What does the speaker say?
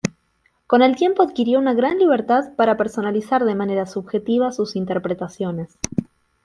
Con el tiempo adquirió una gran libertad para personalizar de manera subjetiva sus interpretaciones.